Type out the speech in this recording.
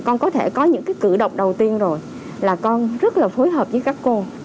con có thể có những cử động đầu tiên rồi là con rất là phối hợp với các cô